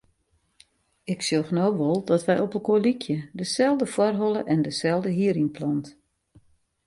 Ik sjoch no wol dat wy opelkoar lykje; deselde foarholle en deselde hierynplant.